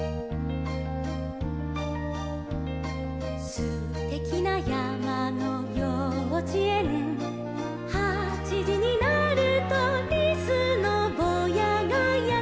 「すてきなやまのようちえん」「はちじになると」「リスのぼうやがやってきます」